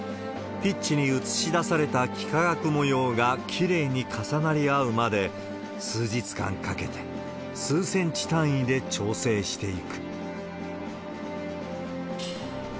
ピッチに映し出された幾何学模様がきれいに重なり合うまで、数日間かけて、数センチ単位で調整していく。